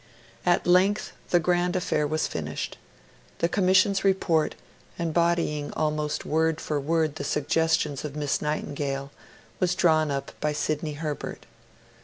At length, the grand affair was finished. The Commission's Report, embodying almost word for word the suggestions of Miss Nightingale, was drawn up by Sidney Herbert.